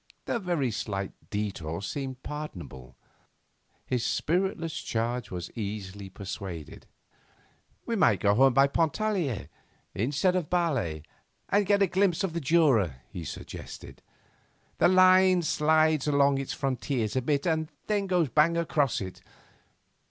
The very slight detour seemed pardonable. His spiritless charge was easily persuaded. 'We might go home by Pontarlier instead of Bâle, and get a glimpse of the Jura,' he suggested. 'The line slides along its frontiers a bit, and then goes bang across it.